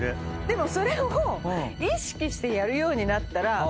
でもそれを意識してやるようになったら。